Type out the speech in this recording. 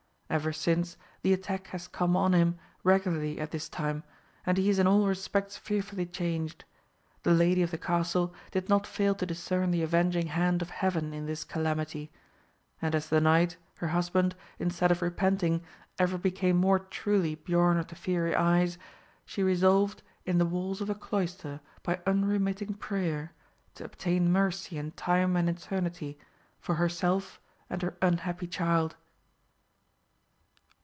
Ever since, the attack has come on him regularly at this time, and he is in all respects fearfully changed. The lady of the castle did not fail to discern the avenging hand of Heaven in this calamity; and as the knight, her husband, instead of repenting, ever became more truly Biorn of the Fiery Eyes, she resolved, in the walls of a cloister, by unremitting prayer, to obtain mercy in time and eternity for herself and her unhappy child."